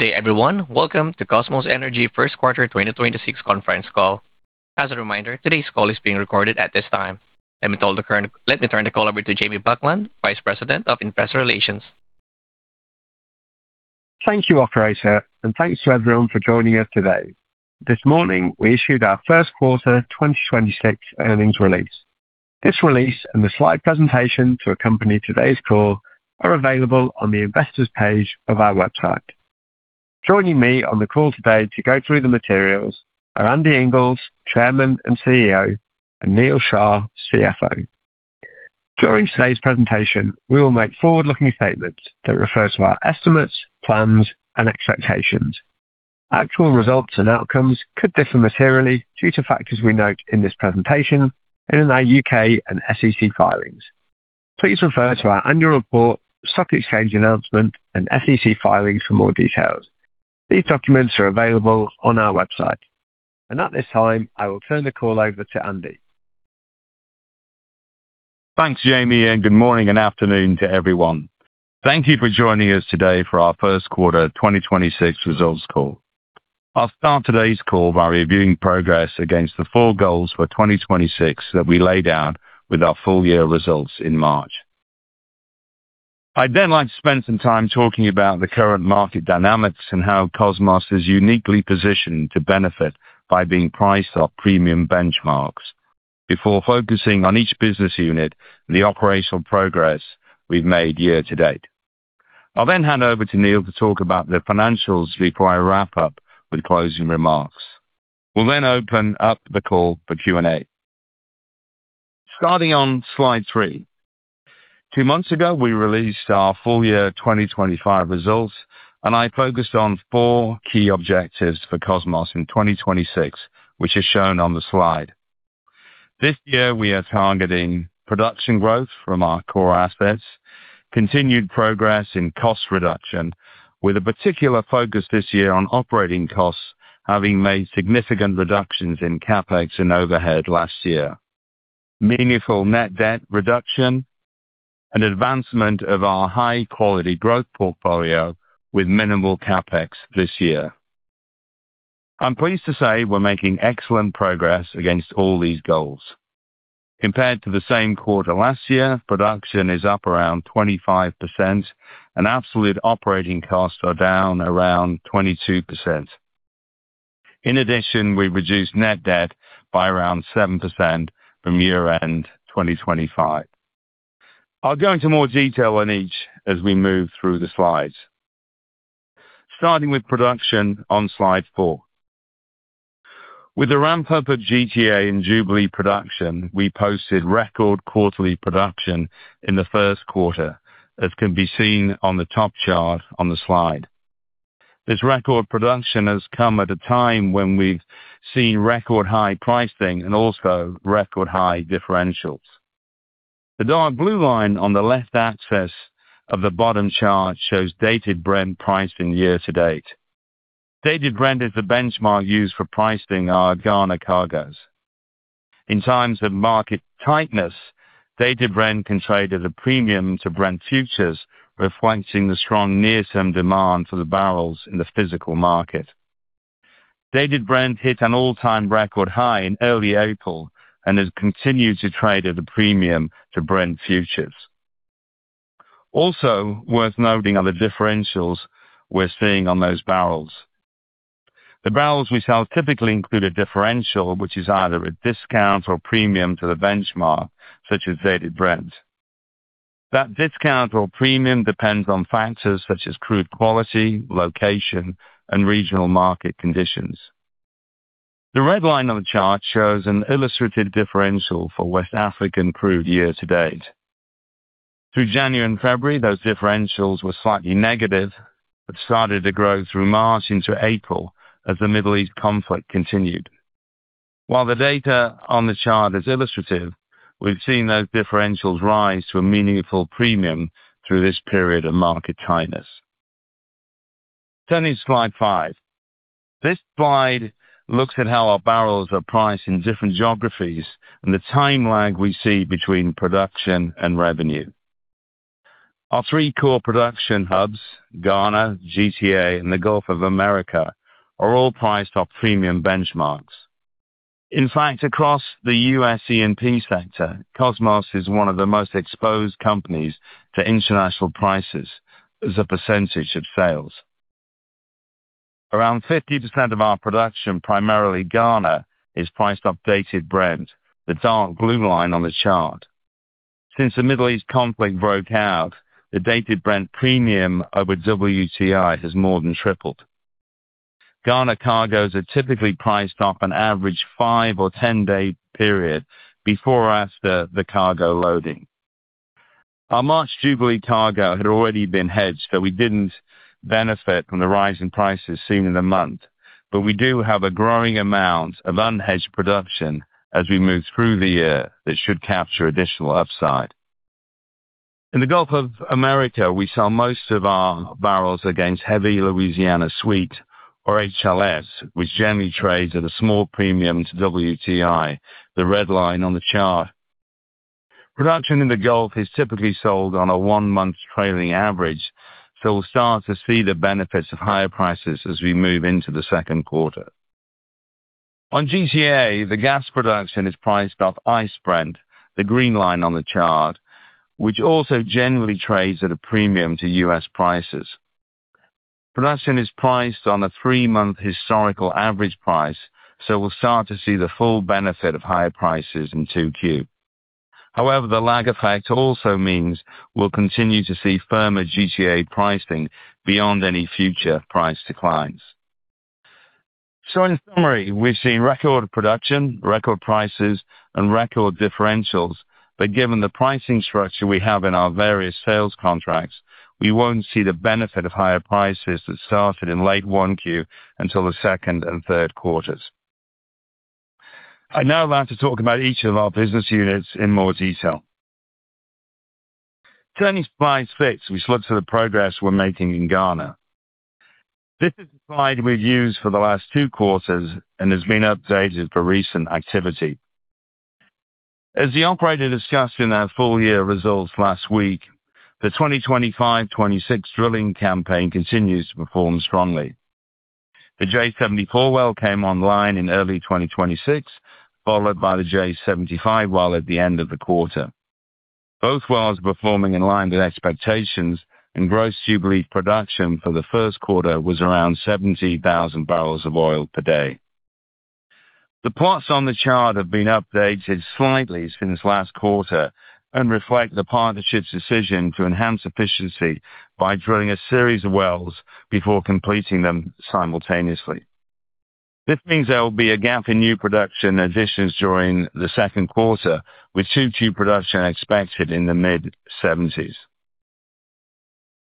Good day, everyone. Welcome to Kosmos Energy first quarter 2026 conference call. As a reminder, today's call is being recorded at this time. Let me turn the call over to Jamie Buckland, Vice President of Investor Relations. Thank you, operator. Thanks to everyone for joining us today. This morning, we issued our first quarter 2026 earnings release. This release and the slide presentation to accompany today's call are available on the Investors page of our website. Joining me on the call today to go through the materials are Andy Inglis, Chairman and CEO, and Neal Shah, CFO. During today's presentation, we will make forward-looking statements that refer to our estimates, plans, and expectations. Actual results and outcomes could differ materially due to factors we note in this presentation and in our U.K. and SEC filings. Please refer to our annual report, stock exchange announcement, and SEC filings for more details. These documents are available on our website. At this time, I will turn the call over to Andy. Thanks, Jamie. Good morning and afternoon to everyone. Thank you for joining us today for our first quarter 2026 results call. I'll start today's call by reviewing progress against the four goals for 2026 that we laid out with our full year results in March. I'd then like to spend some time talking about the current market dynamics and how Kosmos is uniquely positioned to benefit by being priced at premium benchmarks before focusing on each business unit and the operational progress we've made year-to-date. I'll then hand over to Neal to talk about the financials before I wrap up with closing remarks. We'll open up the call for Q&A. Starting on slide three. Two months ago, we released our full year 2025 results, and I focused on four key objectives for Kosmos in 2026, which is shown on the slide. This year we are targeting production growth from our core assets, continued progress in cost reduction with a particular focus this year on operating costs, having made significant reductions in CapEx and overhead last year. Meaningful net debt reduction and advancement of our high-quality growth portfolio with minimal CapEx this year. I'm pleased to say we're making excellent progress against all these goals. Compared to the same quarter last year, production is up around 25%. Absolute operating costs are down around 22%. In addition, we've reduced net debt by around 7% from year-end 2025. I'll go into more detail on each as we move through the slides. Starting with production on slide four. With the ramp-up of GTA and Jubilee production, we posted record quarterly production in the first quarter, as can be seen on the top chart on the slide. This record production has come at a time when we've seen record high pricing and also record high differentials. The dark blue line on the left axis of the bottom chart shows Dated Brent pricing year-to-date. Dated Brent is the benchmark used for pricing our Ghana cargoes. In times of market tightness, Dated Brent can trade at a premium to Brent futures, reflecting the strong near-term demand for the barrels in the physical market. Dated Brent hit an all-time record high in early April and has continued to trade at a premium to Brent futures. Also worth noting are the differentials we're seeing on those barrels. The barrels we sell typically include a differential which is either a discount or premium to the benchmark, such as Dated Brent. That discount or premium depends on factors such as crude quality, location, and regional market conditions. The red line on the chart shows an illustrative differential for West African crude year-to-date. Through January and February, those differentials were slightly negative, Started to grow through March into April as the Middle East conflict continued. While the data on the chart is illustrative, we've seen those differentials rise to a meaningful premium through this period of market tightness. Turning to slide five. This slide looks at how our barrels are priced in different geographies and the time lag we see between production and revenue. Our three core production hubs, Ghana, GTA, and the Gulf of Mexico, are all priced off premium benchmarks. In fact, across the US E&P sector, Kosmos is one of the most exposed companies to international prices as a percentage of sales. Around 50% of our production, primarily Ghana, is priced off Dated Brent, the dark blue line on the chart. Since the Middle East conflict broke out, the Dated Brent premium over WTI has more than tripled. Ghana cargoes are typically priced off an average five or 10-day period before or after the cargo loading. Our March Jubilee cargo had already been hedged, so we didn't benefit from the rise in prices seen in the month. We do have a growing amount of unhedged production as we move through the year that should capture additional upside. In the Gulf of America, we sell most of our barrels against Heavy Louisiana Sweet or HLS, which generally trades at a small premium to WTI, the red line on the chart. Production in the Gulf is typically sold on a one-month trailing average, so we'll start to see the benefits of higher prices as we move into the second quarter. On GTA, the gas production is priced off ICE Brent, the green line on the chart, which also generally trades at a premium to U.S. prices. Production is priced on a three-month historical average price, so we'll start to see the full benefit of higher prices in 2Q. However, the lag effect also means we'll continue to see firmer GTA pricing beyond any future price declines. In summary, we've seen record production, record prices, and record differentials, but given the pricing structure we have in our various sales contracts, we won't see the benefit of higher prices that started in late 1Q until the second and third quarters. I'd now like to talk about each of our business units in more detail. Turning to slide six, we saw to the progress we're making in Ghana. This is a slide we've used for the last two quarters and has been updated for recent activity. As the operator discussed in our full year results last week, the 2025, 2026 drilling campaign continues to perform strongly. The J74 well came online in early 2026, followed by the J75 well at the end of the quarter. Both wells performing in line with expectations and gross Jubilee production for the first quarter was around 70,000 bbl of oil per day. The plots on the chart have been updated slightly since last quarter and reflect the partnership's decision to enhance efficiency by drilling a series of wells before completing them simultaneously. This means there will be a gap in new production additions during the second quarter, with 2Q production expected in the mid-70s.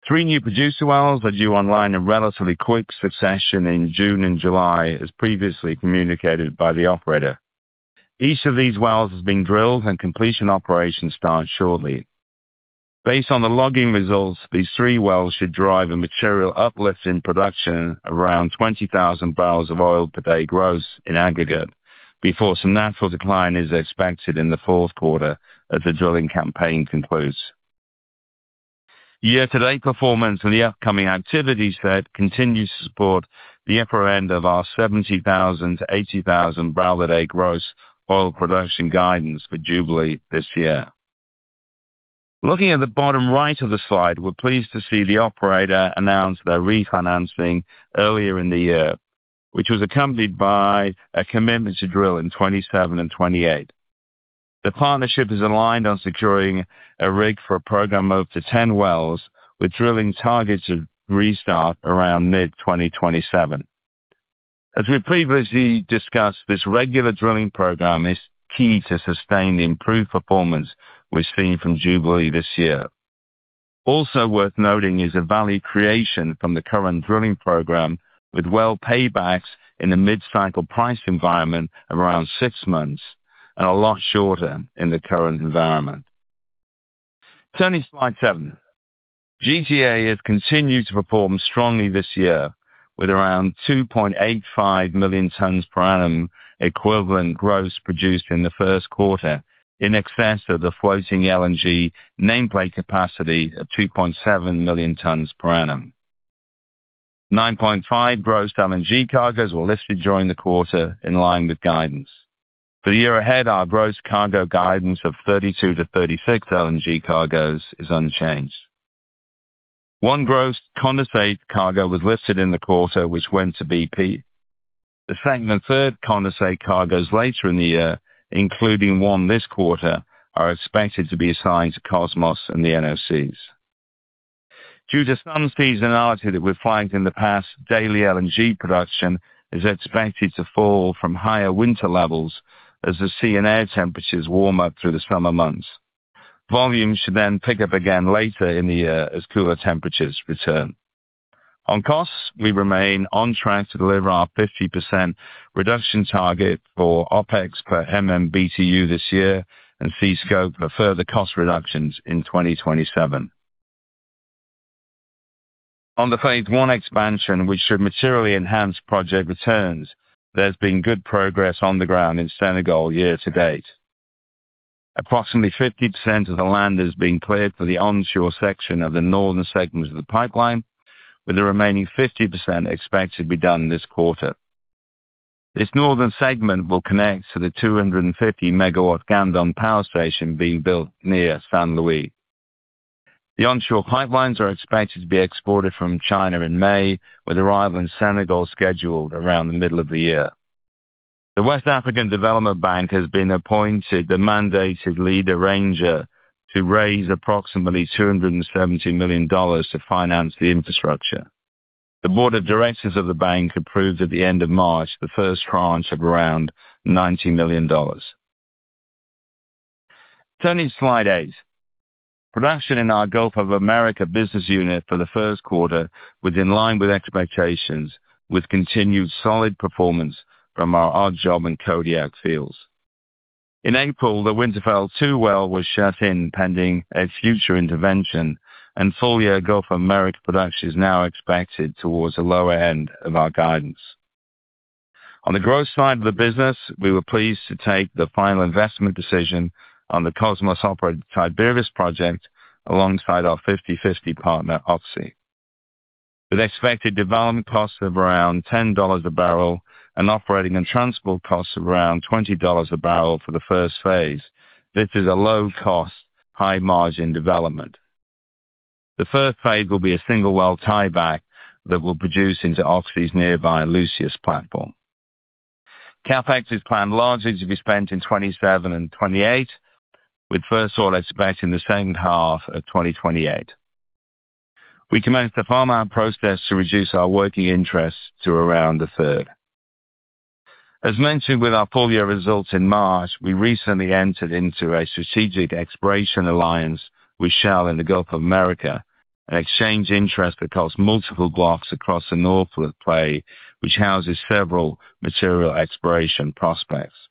Three new producer wells are due online in relatively quick succession in June and July, as previously communicated by the operator. Each of these wells is being drilled and completion operations start shortly. Based on the logging results, these three wells should drive a material uplift in production around 20,000 bbl of oil per day gross in aggregate before some natural decline is expected in the fourth quarter as the drilling campaign concludes. year-to-date performance and the upcoming activity set continues to support the upper end of our 70,000 bbl-80,000 bbl per day gross oil production guidance for Jubilee this year. Looking at the bottom right of the slide, we are pleased to see the operator announce their refinancing earlier in the year, which was accompanied by a commitment to drill in 2027 and 2028. The partnership is aligned on securing a rig for a program of up to 10 wells, with drilling targets to restart around mid-2027. As we previously discussed, this regular drilling program is key to sustain the improved performance we're seeing from Jubilee this year. Also worth noting is the value creation from the current drilling program with well paybacks in a mid-cycle price environment around six months and a lot shorter in the current environment. Turning to slide seven. GTA has continued to perform strongly this year with around 2.85 million tons per annum equivalent gross produced in the first quarter in excess of the floating LNG nameplate capacity of 2.7 million tons per annum. 9.5 gross LNG cargos were listed during the quarter in line with guidance. For the year ahead, our gross cargo guidance of 32-36 LNG cargos is unchanged. One gross condensate cargo was listed in the quarter, which went to BP. The second and third condensate cargos later in the year, including one this quarter, are expected to be assigned to Kosmos and the NOCs. Due to some seasonality that we've found in the past, daily LNG production is expected to fall from higher winter levels as the sea and air temperatures warm up through the summer months. Volumes should pick up again later in the year as cooler temperatures return. On costs, we remain on track to deliver our 50% reduction target for OpEx per MMBtu this year and cost scope for further cost reductions in 2027. On Phase 1 expansion, which should materially enhance project returns, there's been good progress on the ground in Senegal year-to-date. Approximately 50% of the land has been cleared for the onshore section of the northern segment of the pipeline, with the remaining 50% expected to be done this quarter. This northern segment will connect to the 250 MW Gandon power station being built near Saint-Louis. The onshore pipelines are expected to be exported from China in May, with arrival in Senegal scheduled around the middle of the year. The West African Development Bank has been appointed the mandated lead arranger to raise approximately $270 million to finance the infrastructure. The board of directors of the bank approved at the end of March the first tranche of around $90 million. Turning to slide eight. Production in our Gulf of America business unit for the first quarter was in line with expectations with continued solid performance from our Odd Job and Kodiak fields. In April, the Winterfell-2 well was shut in pending a future intervention, and full year Gulf of America production is now expected towards the lower end of our guidance. On the growth side of the business, we were pleased to take the final investment decision on the Kosmos-operated Tiberius project alongside our 50/50 partner, Oxy. With expected development costs of around $10 a barrel and operating and transport costs of around $20 a barrel for the first phase, this is a low-cost, high-margin development. The first phase will be a single well tieback that will produce into Oxy's nearby Lucius platform. CapEx is planned largely to be spent in 2027 and 2028, with first oil expected in the second half of 2028. We commenced the farm-out process to reduce our working interest to around a third. As mentioned with our full-year results in March, we recently entered into a strategic exploration alliance with Shell in the Gulf of Mexico, an exchange interest across multiple blocks across the North Pole play, which houses several material exploration prospects.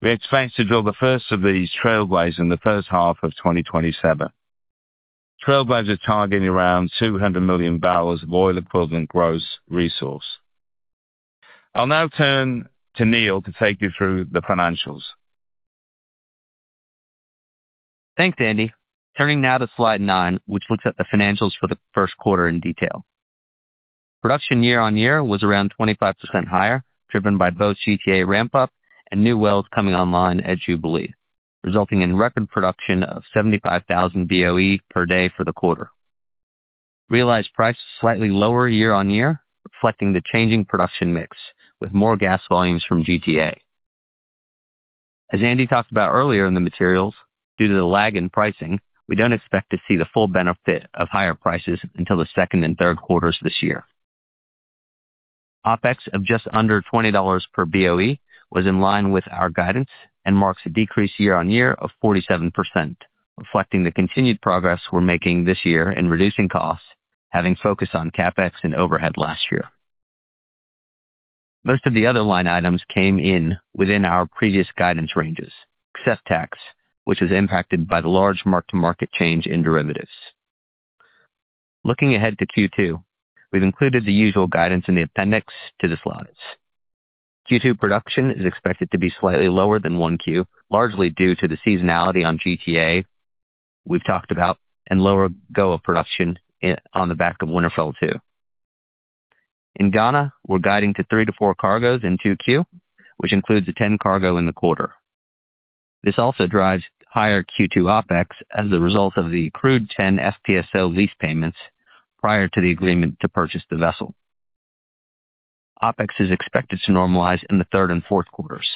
We expect to drill the first of these, Trailblazer, in the first half of 2027. Trailblazer is targeting around 200 million barrels of oil-equivalent gross resource. I'll now turn to Neal to take you through the financials. Thanks, Andy. Turning now to slide nine, which looks at the financials for the first quarter in detail. Production year-on-year was around 25% higher, driven by both GTA ramp-up and new wells coming online at Jubilee, resulting in record production of 75,000 BOE per day for the quarter. Realized price was slightly lower year-on-year, reflecting the changing production mix with more gas volumes from GTA. As Andy talked about earlier in the materials, due to the lag in pricing, we don't expect to see the full benefit of higher prices until the second and third quarters this year. OpEx of just under $20 per BOE was in line with our guidance and marks a decrease year-on-year of 47%, reflecting the continued progress we're making this year in reducing costs, having focused on CapEx and overhead last year. Most of the other line items came in within our previous guidance ranges, except tax, which was impacted by the large mark-to-market change in derivatives. Looking ahead to Q2, we've included the usual guidance in the appendix to the slides. Q2 production is expected to be slightly lower than 1Q, largely due to the seasonality on GTA we've talked about and lower Ghana production on the back of Winterfell-2. In Ghana, we're guiding to 3-4 cargoes in 2Q, which includes a 10 cargo in the quarter. This also drives higher Q2 OpEx as a result of the accrued 10 FPSO lease payments prior to the agreement to purchase the vessel. OpEx is expected to normalize in the third and fourth quarters.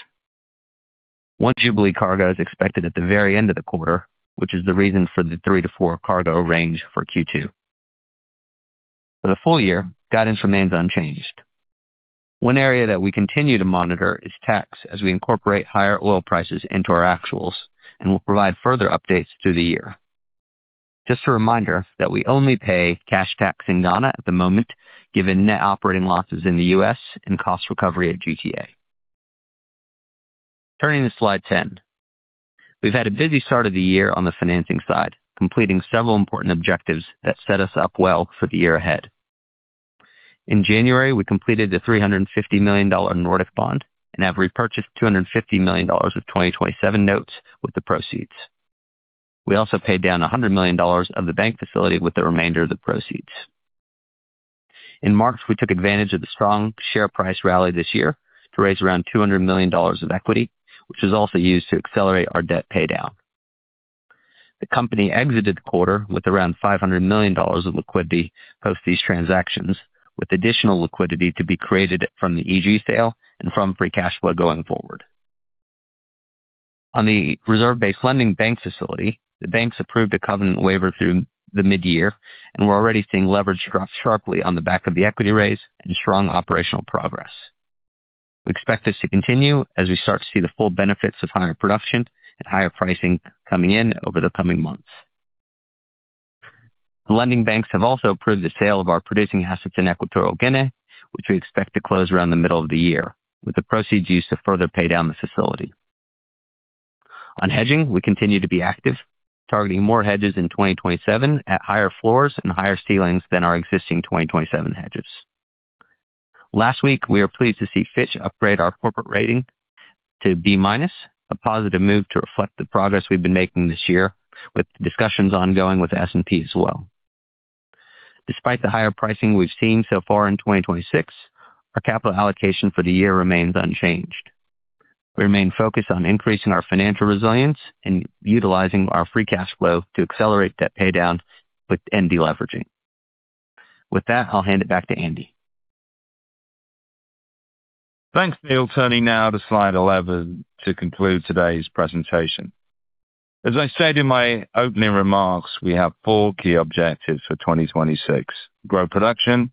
One Jubilee cargo is expected at the very end of the quarter, which is the reason for the 3-4 cargo range for Q2. For the full year, guidance remains unchanged. One area that we continue to monitor is tax as we incorporate higher oil prices into our actuals, and we'll provide further updates through the year. Just a reminder that we only pay cash tax in Ghana at the moment, given net operating losses in the U.S. and cost recovery at GTA. Turning to slide 10. We've had a busy start of the year on the financing side, completing several important objectives that set us up well for the year ahead. In January, we completed the $350 million Nordic Bond and have repurchased $250 million of 2027 notes with the proceeds. We also paid down $100 million of the bank facility with the remainder of the proceeds. In March, we took advantage of the strong share price rally this year to raise around $200 million of equity, which was also used to accelerate our debt paydown. The company exited the quarter with around $500 million of liquidity post these transactions, with additional liquidity to be created from the EG sale and from free cash flow going forward. On the reserve-based lending bank facility, the banks approved a covenant waiver through the mid-year, and we're already seeing leverage drop sharply on the back of the equity raise and strong operational progress. We expect this to continue as we start to see the full benefits of higher production and higher pricing coming in over the coming months. The lending banks have also approved the sale of our producing assets in Equatorial Guinea, which we expect to close around the middle of the year, with the proceeds used to further pay down the facility. On hedging, we continue to be active, targeting more hedges in 2027 at higher floors and higher ceilings than our existing 2027 hedges. Last week, we were pleased to see Fitch upgrade our corporate rating to B-, a positive move to reflect the progress we've been making this year with discussions ongoing with S&P as well. Despite the higher pricing we've seen so far in 2026, our capital allocation for the year remains unchanged. We remain focused on increasing our financial resilience and utilizing our free cash flow to accelerate debt paydown with de-leveraging. With that, I'll hand it back to Andy. Thanks, Neal. Turning now to slide 11 to conclude today's presentation. As I said in my opening remarks, we have four key objectives for 2026: grow production,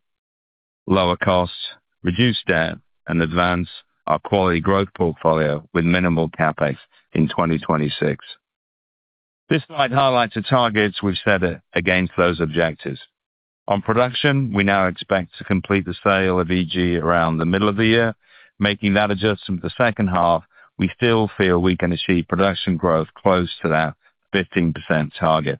lower costs, reduce debt, and advance our quality growth portfolio with minimal CapEx in 2026. This slide highlights the targets we've set against those objectives. On production, we now expect to complete the sale of EG around the middle of the year. Making that adjustment to the second half, we still feel we can achieve production growth close to that 15% target.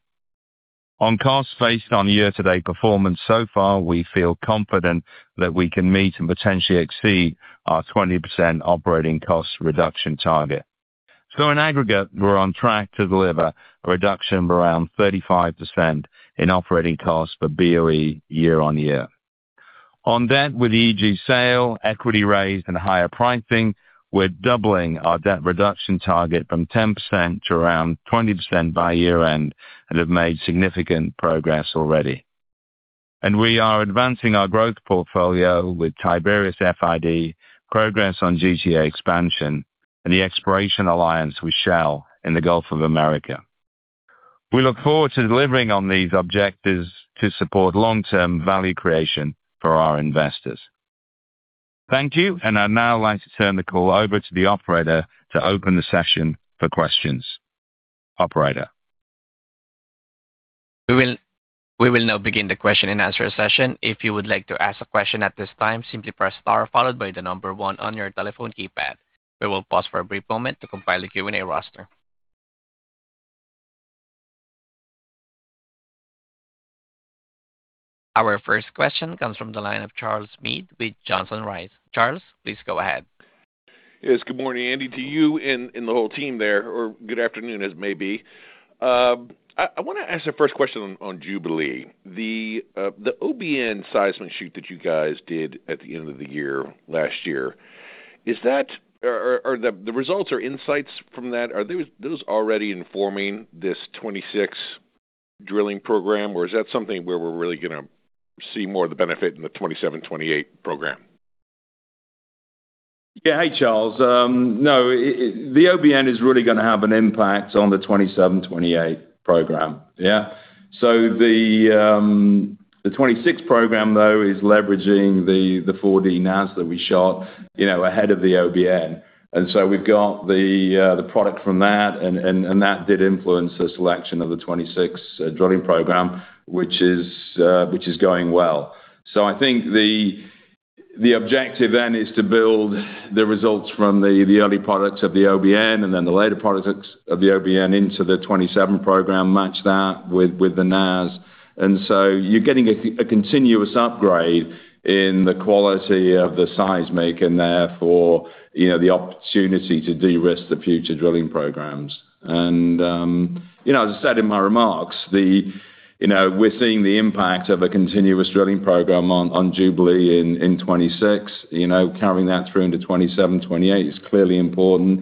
On costs faced on year-to-date performance so far, we feel confident that we can meet and potentially exceed our 20% operating cost reduction target. In aggregate, we're on track to deliver a reduction of around 35% in operating costs per BOE year-on-year. On debt with EG sale, equity raised and higher pricing, we're doubling our debt reduction target from 10% to around 20% by year-end and have made significant progress already. We are advancing our growth portfolio with Tiberius FID, progress on GTA expansion, and the exploration alliance with Shell in the Gulf of Mexico. We look forward to delivering on these objectives to support long-term value creation for our investors. Thank you. I'd now like to turn the call over to the operator to open the session for questions. Operator. We will now begin the question-and-answer session. If you would like to ask a question at this time, simply press star followed by the number one on your telephone keypad. We will pause for a brief moment to compile a Q&A roster. Our first question comes from the line of Charles Meade with Johnson Rice. Charles, please go ahead. Yes. Good morning, Andy, to you and the whole team there, or good afternoon as it may be. I wanna ask the first question on Jubilee. The OBN seismic shoot that you guys did at the end of the year last year, or the results or insights from that, are those already informing this 2026 drilling program or is that something where we're really gonna see more of the benefit in the 2027, 2028 program? Yeah. Hey, Charles. No, The OBN is really gonna have an impact on the 2027, 2028 program. Yeah. The 2026 program though is leveraging the 4D NAZ that we shot, you know, ahead of the OBN. We've got the product from that and that did influence the selection of the 2026 drilling program, which is going well. I think the objective then is to build the results from the early products of the OBN and then the later products of the OBN into the 2027 program, match that with the NAZ. You're getting a continuous upgrade in the quality of the seismic and therefore, you know, the opportunity to de-risk the future drilling programs. You know, as I said in my remarks, you know, we're seeing the impact of a continuous drilling program on Jubilee in 2026. You know, carrying that through into 2027, 2028 is clearly important.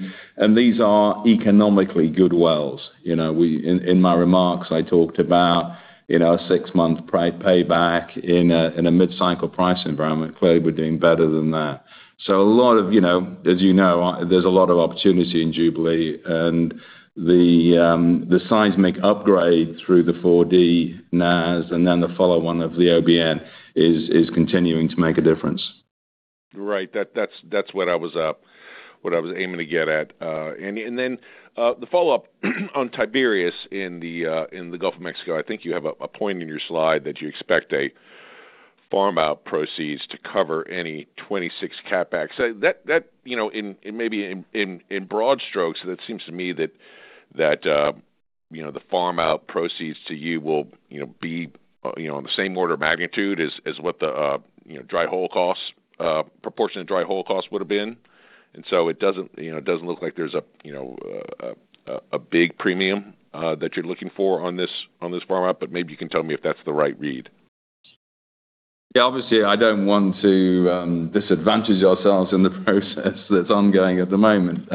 These are economically good wells. You know, In my remarks, I talked about, you know, a six-month payback in a mid-cycle price environment. Clearly, we're doing better than that. A lot of, you know, as you know, there's a lot of opportunity in Jubilee and the seismic upgrade through the 4D NAZ and then the follow one of the OBN is continuing to make a difference. Right. That's what I was aiming to get at. The follow-up on Tiberius in the Gulf of Mexico. I think you have a point in your slide that you expect a farm-out proceeds to cover any 2026 CapEx. That, you know, in broad strokes, it seems to me that, you know, the farm-out proceeds to you will, you know, be, you know, in the same order of magnitude as what the, you know, dry hole costs, proportion of dry hole costs would have been. It doesn't, you know, it doesn't look like there's a, you know, a big premium that you're looking for on this farm-out, but maybe you can tell me if that's the right read. Yeah. Obviously, I don't want to disadvantage ourselves in the process that's ongoing at the moment.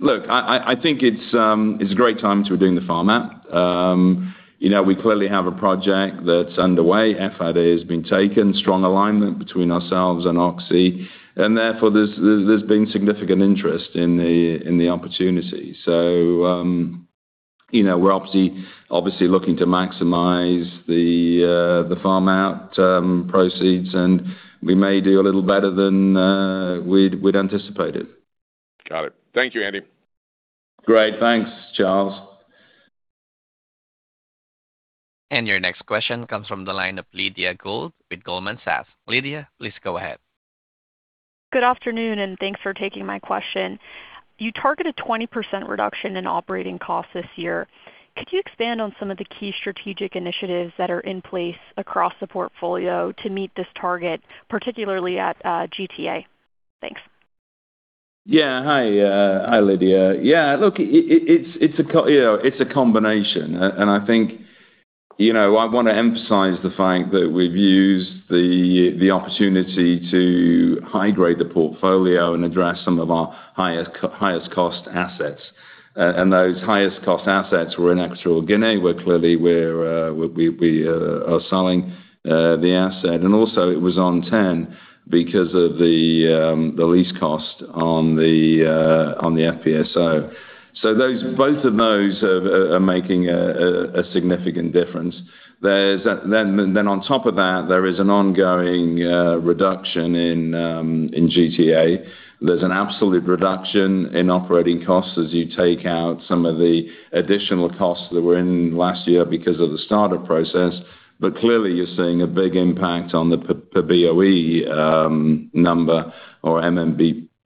Look, I think it's a great time to be doing the farm-out. You know, we clearly have a project that's underway. FID has been taken, strong alignment between ourselves and Oxy, and therefore there's been significant interest in the opportunity. You know, we're obviously looking to maximize the farm-out proceeds, and we may do a little better than we'd anticipated. Got it. Thank you, Andy. Great. Thanks, Charles. Your next question comes from the line of Lydia Gould with Goldman Sachs. Lydia, please go ahead. Good afternoon, thanks for taking my question. You targeted 20% reduction in operating costs this year. Could you expand on some of the key strategic initiatives that are in place across the portfolio to meet this target, particularly at GTA? Thanks. Yeah. Hi, Lydia. Yeah. Look, it's a you know, it's a combination. I think, you know, I wanna emphasize the fact that we've used the opportunity to high grade the portfolio and address some of our highest cost assets. Those highest cost assets were in Equatorial Guinea, where clearly we're selling the asset. Also it was on TEN because of the lease cost on the FPSO. Both of those are making a significant difference. There is then on top of that, there is an ongoing reduction in GTA. There's an absolute reduction in operating costs as you take out some of the additional costs that were in last year because of the startup process. Clearly you're seeing a big impact on the per BOE number or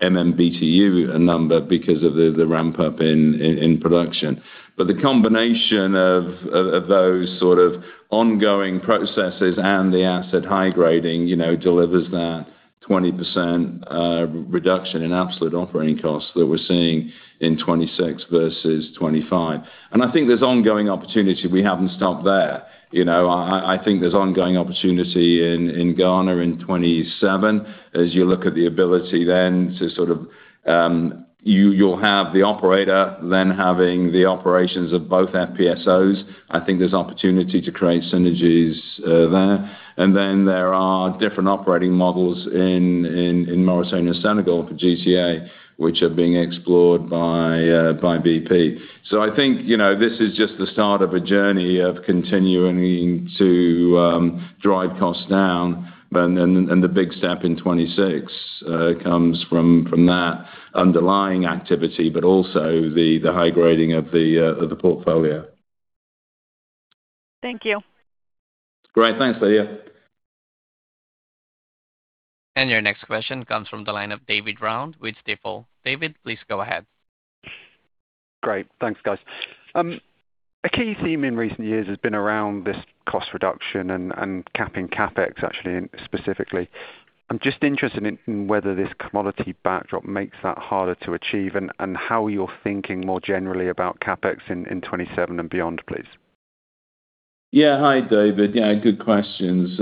MMBtu number because of the ramp-up in production. The combination of those sort of ongoing processes and the asset high grading, you know, delivers that 20% reduction in absolute operating costs that we're seeing in 2026 versus 2025. I think there's ongoing opportunity. We haven't stopped there. You know, I think there's ongoing opportunity in Ghana in 2027 as you look at the ability then to sort of, you'll have the operator then having the operations of both FPSOs. I think there's opportunity to create synergies there. Then there are different operating models in Mauritania, Senegal for GTA, which are being explored by BP. I think, you know, this is just the start of a journey of continuing to drive costs down. The big step in 26 comes from that underlying activity, but also the high grading of the portfolio. Thank you. Great. Thanks, Lydia. Your next question comes from the line of David Round with Stifel. David, please go ahead. Great. Thanks, guys. A key theme in recent years has been around this cost reduction and capping CapEx actually specifically. I'm just interested in whether this commodity backdrop makes that harder to achieve and how you're thinking more generally about CapEx in 2027 and beyond, please. Hi, David. Good questions.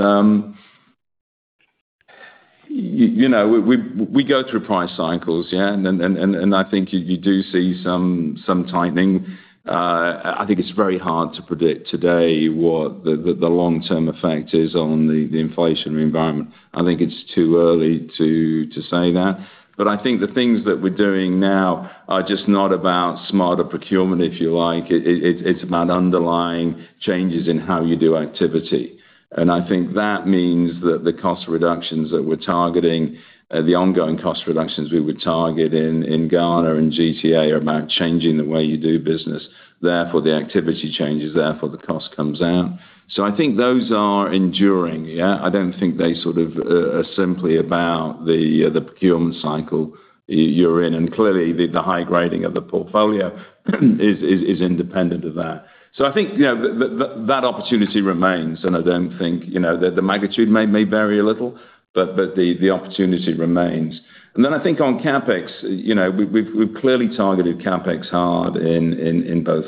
You know, we go through price cycles, and I think you do see some tightening. I think it's very hard to predict today what the long-term effect is on the inflation environment. I think it's too early to say that. I think the things that we're doing now are just not about smarter procurement, if you like. It's about underlying changes in how you do activity. I think that means that the cost reductions that we're targeting, the ongoing cost reductions we would target in Ghana and GTA are about changing the way you do business. Therefore, the activity changes, therefore the cost comes down. I think those are enduring. I don't think they sort of are simply about the procurement cycle you're in. Clearly, the high grading of the portfolio is independent of that. I think, you know, that opportunity remains, and I don't think, you know, the magnitude may vary a little, but the opportunity remains. Then I think on CapEx, you know, we've clearly targeted CapEx hard in both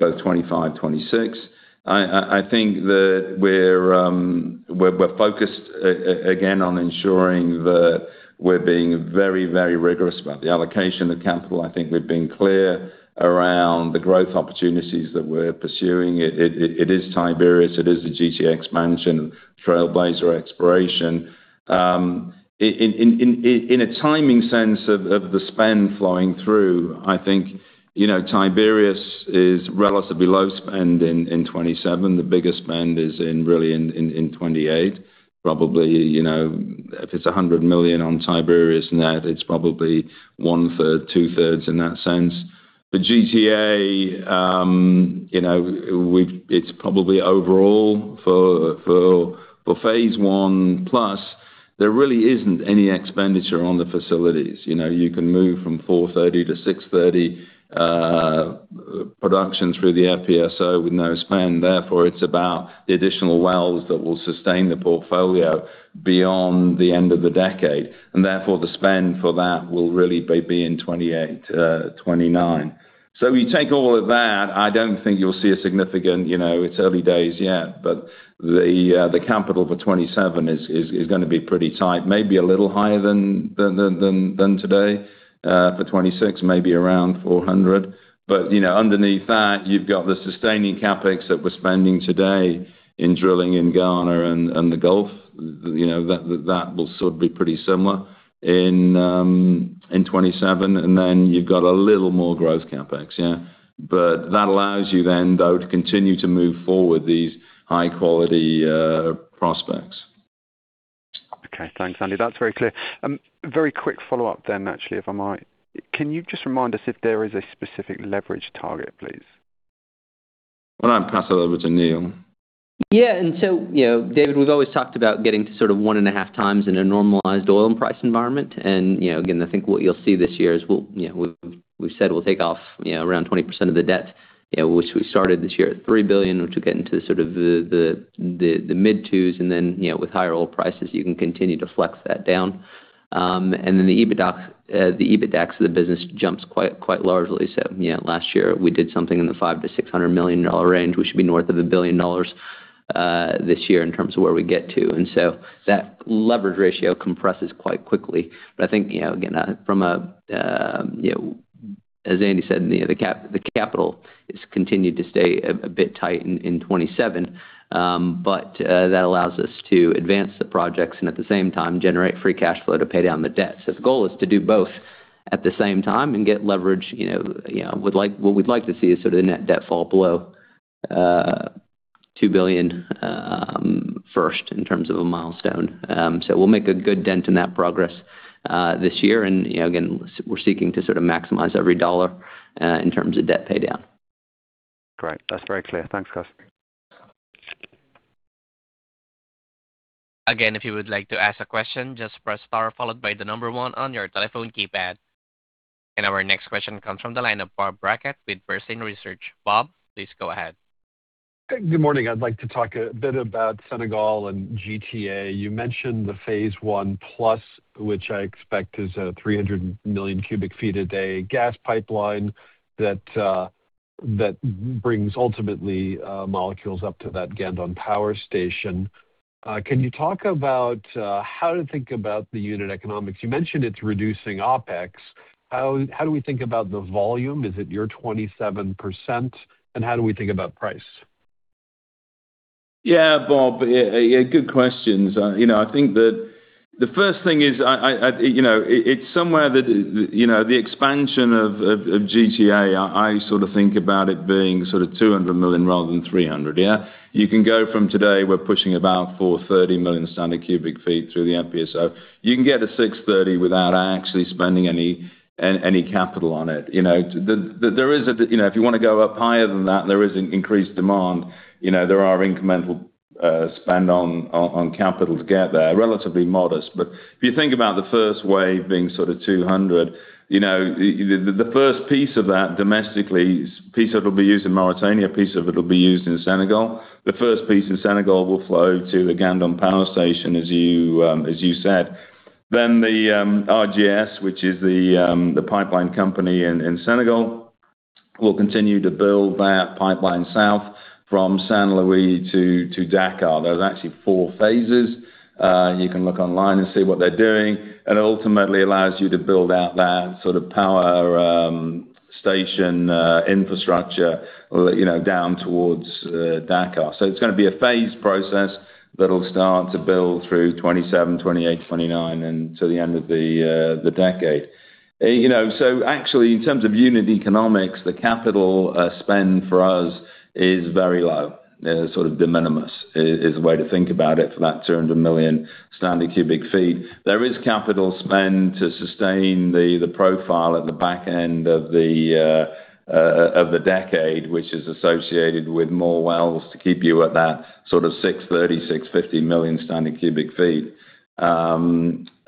2025, 2026. I think that we're focused again on ensuring that we're being very rigorous about the allocation of capital. I think we've been clear around the growth opportunities that we're pursuing. It is Tiberius, it is the GTA expansion, trailblazer exploration. In a timing sense of the spend flowing through, I think, you know, Tiberius is relatively low spend in 2027. The biggest spend is really in 2028. Probably, you know, if it's $100 million on Tiberius net, it's probably one third, two thirds in that sense. The GTA, you know, it's probably overall Phase 1+, there really isn't any expenditure on the facilities. You know, you can move from 430 to 630 production through the FPSO with no spend. It's about the additional wells that will sustain the portfolio beyond the end of the decade. The spend for that will really be in 2028, 2029. When you take all of that, I don't think you'll see a significant, it's early days yet, but the capital for 2027 is going to be pretty tight. Maybe a little higher than today. For 2026, maybe around $400. Underneath that, you've got the sustaining CapEx that we're spending today in drilling in Ghana and the Gulf. That will sort of be pretty similar in 2027. You've got a little more growth CapEx, yeah. That allows you then, though, to continue to move forward these high quality prospects. Okay. Thanks, Andy. That's very clear. Very quick follow-up then, actually, if I might. Can you just remind us if there is a specific leverage target, please? Well, I'll pass that over to Neal. Yeah. You know, David, we've always talked about getting to sort of 1.5x in a normalized oil and price environment. You know, again, I think what you'll see this year is we'll, you know, we've said we'll take off, you know, around 20% of the debt. Which we started this year at $3 billion, which will get into sort of the mid-2s, you know, with higher oil prices, you can continue to flex that down. The EBITDA, the EBITDA of the business jumps quite largely. You know, last year we did something in the $500 million-$600 million range. We should be north of $1 billion this year in terms of where we get to. That leverage ratio compresses quite quickly. I think, you know, again, from a, you know, as Andy said, you know, the capital has continued to stay a bit tight in 2027. That allows us to advance the projects and at the same time generate free cash flow to pay down the debt. The goal is to do both at the same time and get leverage, you know, what we'd like to see is sort of the net debt fall below $2 billion first in terms of a milestone. We'll make a good dent in that progress this year. You know, again, we're seeking to sort of maximize every dollar in terms of debt pay down. Great. That's very clear. Thanks, guys. If you would like to ask a question, just press star followed by the number one on your telephone keypad. Our next question comes from the line of Bob Brackett with Bernstein Research. Bob, please go ahead. Good morning. I'd like to talk a bit about Senegal and GTA. You mentioned the Phase 1+, which I expect is a 300 million cubic feet a day gas pipeline that brings ultimately molecules up to that Gandon power plant. Can you talk about how to think about the unit economics? You mentioned it's reducing OPEX. How do we think about the volume? Is it your 27%? How do we think about price? Yeah, Bob. Yeah, good questions. You know, I think that the first thing is I you know, it's somewhere that, you know, the expansion of GTA, I sort of think about it being sort of 200 million rather than 300 million. You can go from today, we're pushing about 430 million standard cubic feet through the FPSO. You can get to 630 million without actually spending any capital on it, you know. You know, if you wanna go up higher than that, there is an increased demand. You know, there are incremental spend on capital to get there. Relatively modest. If you think about the first wave being sort of 200 million, you know, the first piece of that domestically is a piece that will be used in Mauritania, a piece of it will be used in Senegal. The first piece in Senegal will flow to the Gandon Power Station, as you said. The RGS, which is the pipeline company in Senegal, will continue to build that pipeline south from Saint-Louis to Dakar. There's actually four phases. You can look online and see what they're doing, and it ultimately allows you to build out that sort of power station infrastructure, you know, down towards Dakar. It's gonna be a phased process that'll start to build through 2027, 2028, 2029, and to the end of the decade. You know, actually, in terms of unit economics, the capital spend for us is very low. Sort of de minimis is the way to think about it for that 200 million standard cubic feet. There is capital spend to sustain the profile at the back end of the decade, which is associated with more wells to keep you at that sort of 630 million-650 million standard cubic feet.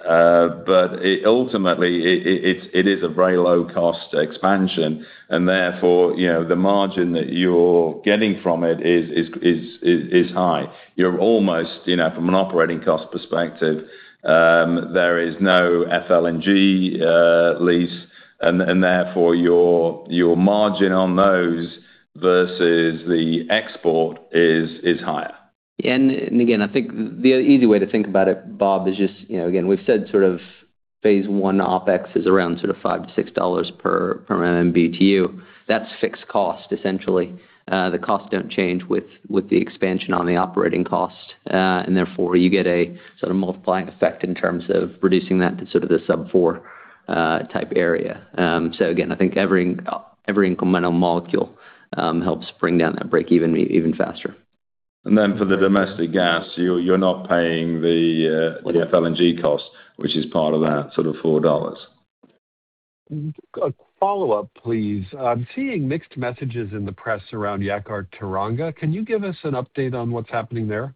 It ultimately is a very low cost expansion and therefore, you know, the margin that you're getting from it is high. You're almost, you know, from an operating cost perspective, there is no FLNG lease and therefore your margin on those versus the export is higher. Again, I think the easy way to think about it, Bob, is just, you know, again, we've said sort of Phase 1 OpEx is around sort of $5-$6 per MMBtu. That's fixed cost, essentially. The costs don't change with the expansion on the operating cost. Therefore, you get a sort of multiplying effect in terms of reducing that to sort of the sub 4 type area. Again, I think every incremental molecule helps bring down that break-even even faster. For the domestic gas, you're not paying the FLNG cost, which is part of that sort of $4. A follow-up, please. I'm seeing mixed messages in the press around Yakaar-Teranga. Can you give us an update on what's happening there?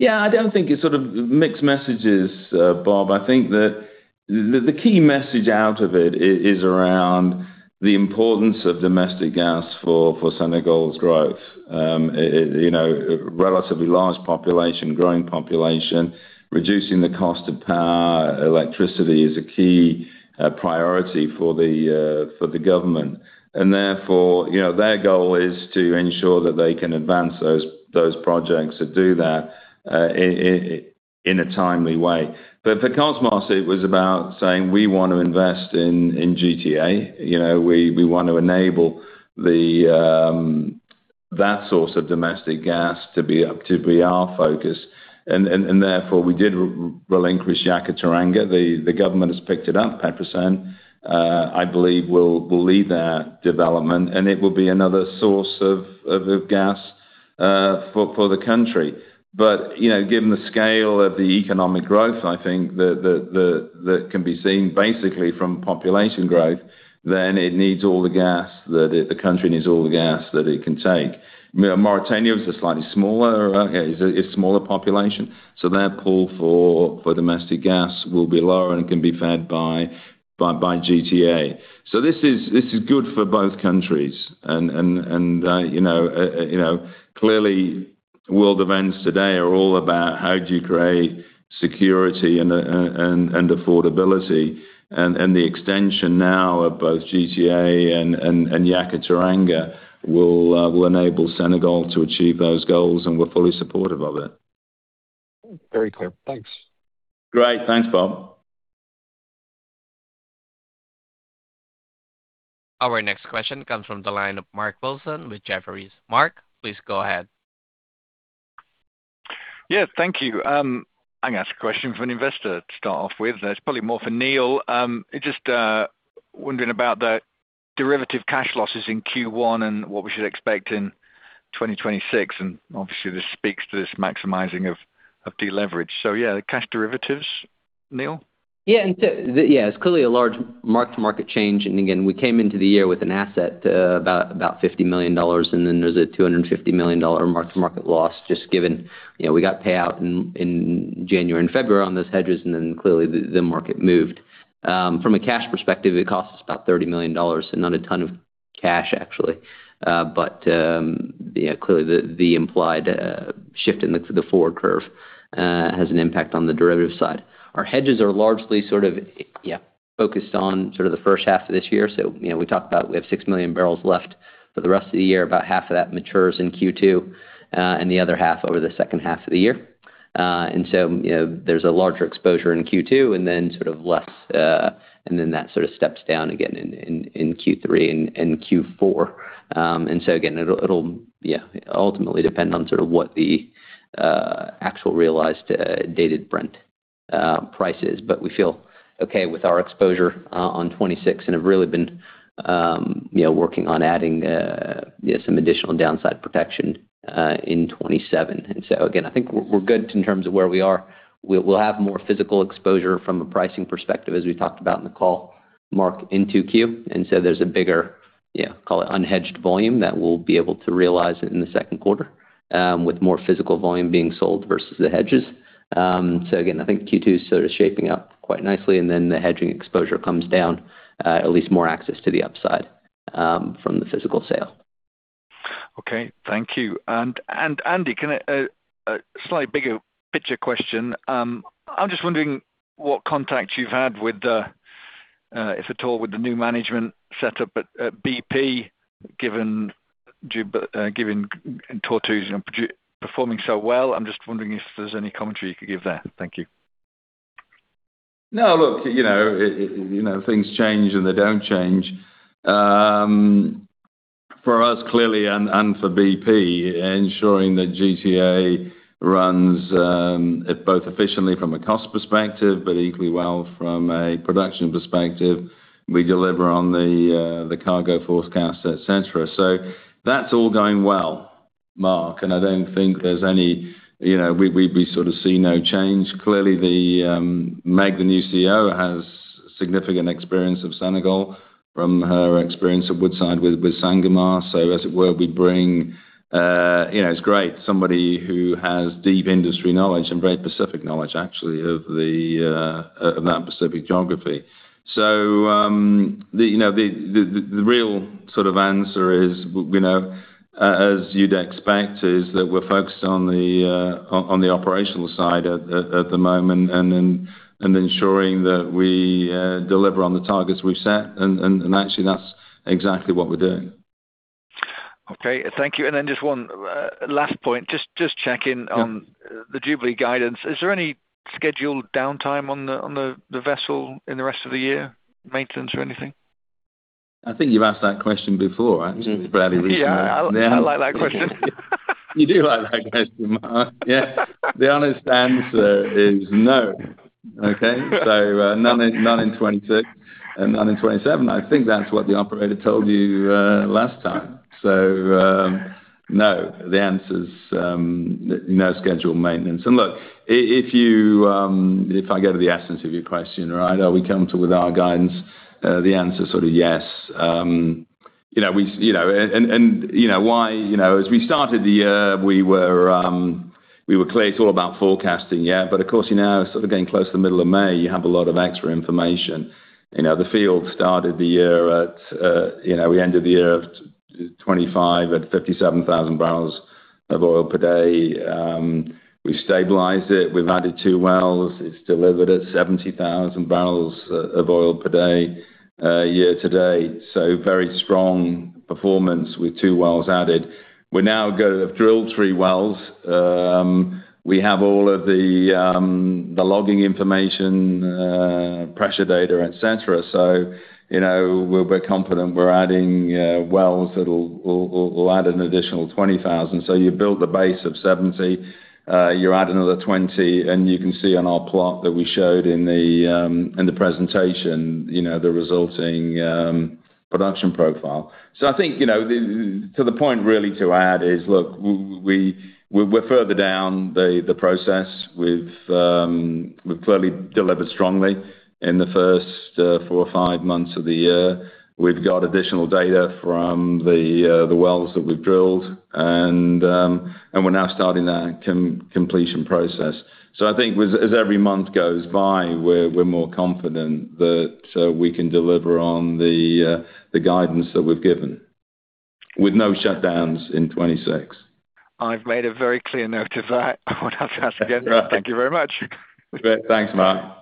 I don't think it's sort of mixed messages, Bob. I think that the key message out of it is around the importance of domestic gas for Senegal's growth. You know, relatively large population, growing population. Reducing the cost of power, electricity is a key priority for the government. You know, their goal is to ensure that they can advance those projects to do that in a timely way. It was about saying we wanna invest in GTA. You know, we want to enable the that source of domestic gas to be our focus. We did relinquish Yakaar-Teranga. The government has picked it up. Petrosen, I believe will lead that development, and it will be another source of gas for the country. You know, given the scale of the economic growth, I think the that can be seen basically from population growth, then it needs all the gas that the country needs all the gas that it can take. Mauritania is a slightly smaller, is a smaller population, so their pull for domestic gas will be lower and can be fed by GTA. This is good for both countries. You know, you know, clearly world events today are all about how do you create security and affordability. The extension now of both GTA and Yakaar-Teranga will enable Senegal to achieve those goals, and we're fully supportive of it. Very clear. Thanks. Great. Thanks, Bob. Our next question comes from the line of Mark Wilson with Jefferies. Mark, please go ahead. Yeah, thank you. I'm gonna ask a question for an investor to start off with. It's probably more for Neal. Just wondering about the derivative cash losses in Q1 and what we should expect in 2026. Obviously, this speaks to this maximizing of de-leveraging. The cash derivatives, Neal? Yeah, it's clearly a large mark-to-market change. Again, we came into the year with an asset, about $50 million, and then there's a $250 million mark-to-market loss just given, you know, we got payout in January and February on those hedges, and then clearly the market moved. From a cash perspective, it costs about $30 million. Not a ton of cash actually. Clearly the implied shift in the forward curve has an impact on the derivative side. Our hedges are largely focused on sort of the first half of this year. You know, we talked about we have 6 million barrels left for the rest of the year. About half of that matures in Q2, and the other half over the second half of the year. You know, there's a larger exposure in Q2 and then sort of less, and then that sort of steps down again in Q3 and Q4. It'll, it'll, yeah, ultimately depend on sort of what the actual realized Dated Brent price is. We feel okay with our exposure on 2026 and have really been, you know, working on adding, you know, some additional downside protection in 2027. I think we're good in terms of where we are. We'll, we'll have more physical exposure from a pricing perspective, as we talked about in the call, Mark, in 2Q. There's a bigger, yeah, call it unhedged volume that we'll be able to realize in the second quarter with more physical volume being sold versus the hedges. I think Q2 is sort of shaping up quite nicely, and then the hedging exposure comes down, at least more access to the upside from the physical sale. Okay. Thank you. Andy, can I a slightly bigger picture question. I'm just wondering what contact you've had with the, if at all, with the new management set up at BP, given Tortue's pro-performing so well, I'm just wondering if there's any commentary you could give there. Thank you. No, look, you know, things change and they don't change. For us, clearly, and for BP, ensuring that GTA runs both efficiently from a cost perspective, but equally well from a production perspective, we deliver on the cargo forecast, et cetera. That's all going well, Mark, and You know, we sort of see no change. Clearly, Meg, the new CEO, has significant experience of Senegal from her experience at Woodside with Sangomar. As it were, we bring, you know, it's great. Somebody who has deep industry knowledge and very specific knowledge actually of that specific geography. You know, the real sort of answer is we know, as you'd expect, is that we're focused on the operational side at the moment and ensuring that we deliver on the targets we've set. Actually, that's exactly what we're doing. Okay. Thank you. Just one last point. Just checking on. Yeah The Jubilee guidance. Is there any scheduled downtime on the vessel in the rest of the year, maintenance or anything? I think you've asked that question before, right? It's fairly recent. Yeah. I like that question. You do like that question, Mark. Yeah. The honest answer is no. Okay. None in 2022 and none in 2027. I think that's what the operator told you last time. No. The answer is no scheduled maintenance. Look, if you, if I go to the essence of your question, right, are we comfortable with our guidance? The answer's sort of yes. You know, we, and why, you know, as we started the year, we were clear it's all about forecasting. Yeah. Of course, you know, sort of getting close to the middle of May, you have a lot of extra information. You know, the field started the year at, you know, we ended the year of 2025 at 57,000 bbl of oil per day. We've stabilized it. We've added 2 wells. It's delivered at 70,000 bbl of oil per day, year-to-date. Very strong performance with 2 wells added. We're now have drilled 3 wells. We have all of the logging information, pressure data, et cetera. You know, we're confident. We're adding wells that'll will add an additional 20,000. You build the base of 70, you add another 20, and you can see on our plot that we showed in the, in the presentation, you know, the resulting production profile. I think, you know, the, to the point really to add is, look, we, we're further down the process. We've clearly delivered strongly in the first 4 or 5 months of the year. We've got additional data from the wells that we've drilled, and we're now starting that completion process. I think with as every month goes by, we're more confident that we can deliver on the guidance that we've given with no shutdowns in 2026. I've made a very clear note of that. I won't have to ask again. Thank you very much. You bet. Thanks, Mark.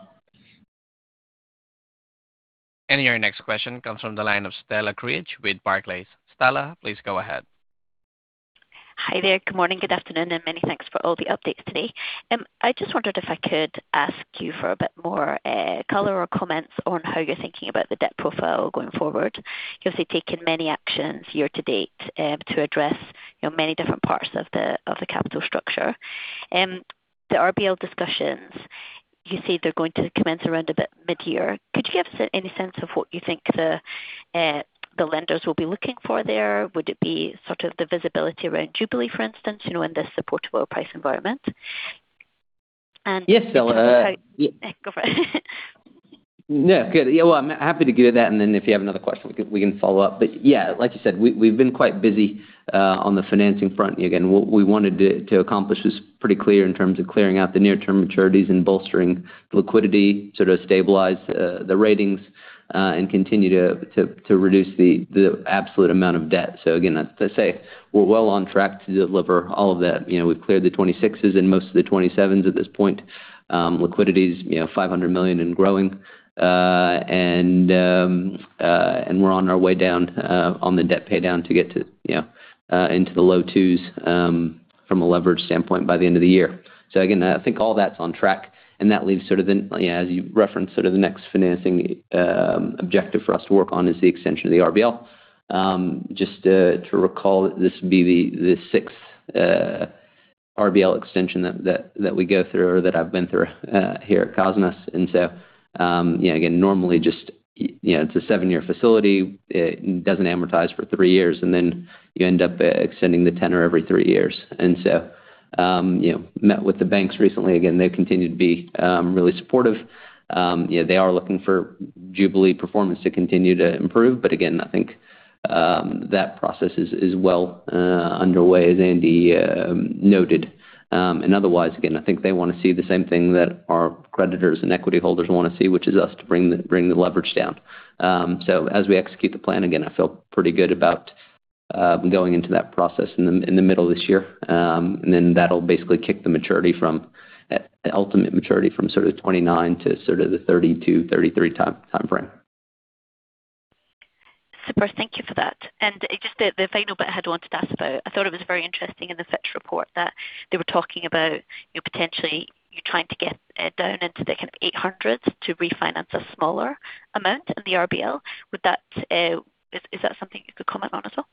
Your next question comes from the line of Stella Cridge with Barclays. Stella, please go ahead. Hi there. Good morning, good afternoon, and many thanks for all the updates today. I just wondered if I could ask you for a bit more color or comments on how you're thinking about the debt profile going forward. You've obviously taken many actions year-to-date to address, you know, many different parts of the capital structure. The RBL discussions, you say they're going to commence around about mid-year. Could you give us any sense of what you think the lenders will be looking for there? Would it be sort of the visibility around Jubilee, for instance, you know, in this supportive oil price environment? Yes, Stella. Go for it. No. Good. Yeah, well, I'm happy to give that, and then if you have another question, we can follow up. Yeah, like you said, we've been quite busy on the financing front. Again, what we wanted to accomplish is pretty clear in terms of clearing out the near-term maturities and bolstering liquidity to stabilize the ratings and continue to reduce the absolute amount of debt. Again, as I say, we're well on track to deliver all of that. You know, we've cleared the 2026s and most of the 2027s at this point. Liquidity is, you know, $500 million and growing. We're on our way down on the debt pay down to get to, you know, into the low 2s from a leverage standpoint by the end of the year. Again, I think all that's on track, and that leaves sort of the Yeah, as you referenced, sort of the next financing objective for us to work on is the extension of the RBL. Just to recall, this would be the sixth RBL extension that we go through or that I've been through here at Kosmos. You know, again, normally just, you know, it's a seven-year facility. It doesn't amortize for three years, and then you end up extending the tenor every three years. You know, met with the banks recently. Again, they've continued to be really supportive. You know, they are looking for Jubilee performance to continue to improve, but again, I think that process is well underway, as Andy noted. Otherwise, again, I think they wanna see the same thing that our creditors and equity holders wanna see, which is us to bring the leverage down. As we execute the plan, again, I feel pretty good about going into that process in the middle of this year. Then that'll basically kick the maturity from the ultimate maturity from sort of the 2029 to sort of the 2032, 2033 timeframe. Super. Thank you for that. Just the final bit I had wanted to ask about. I thought it was very interesting in the Fitch report that they were talking about, you know, potentially you trying to get down into the kind of $800s to refinance a smaller amount of the RBL. Is that something you could comment on as well?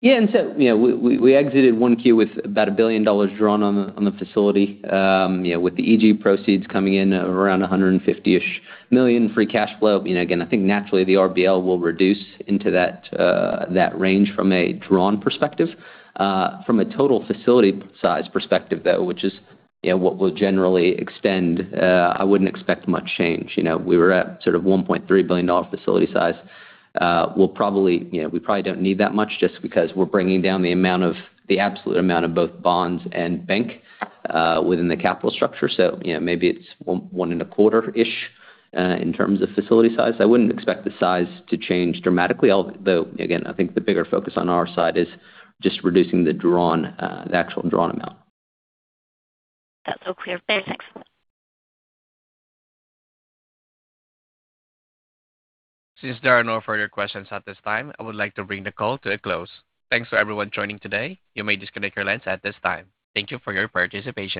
Yeah. You know, we exited 1Q with about $1 billion drawn on the facility. You know, with the EG proceeds coming in around $150-ish million free cash flow. You know, again, I think naturally the RBL will reduce into that range from a drawn perspective. From a total facility size perspective, though, which is, you know, what we'll generally extend, I wouldn't expect much change. You know, we were at sort of $1.3 billion facility size. We'll probably, you know, we probably don't need that much just because we're bringing down the amount of the absolute amount of both bonds and bank within the capital structure. You know, maybe it's $1 and a quarter-ish in terms of facility size. I wouldn't expect the size to change dramatically, although, again, I think the bigger focus on our side is just reducing the drawn, the actual drawn amount. That's all clear. Thanks. Excellent. Since there are no further questions at this time, I would like to bring the call to a close. Thanks to everyone joining today. You may disconnect your lines at this time. Thank you for your participation.